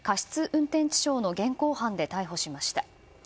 運転致傷の現行犯で逮捕しました。